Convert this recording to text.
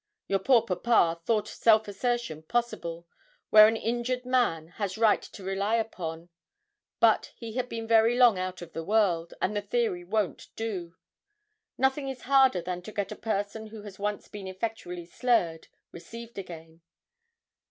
Your poor papa thought self assertion possible, where an injured man has right to rely upon, but he had been very long out of the world, and the theory won't do. Nothing is harder than to get a person who has once been effectually slurred, received again.